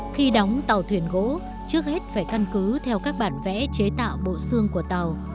khi đóng tàu thuyền gỗ trước hết phải căn cứ theo các bản vẽ chế tạo bộ xương của tàu